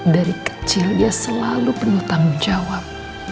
dari kecil dia selalu penuh tanggung jawab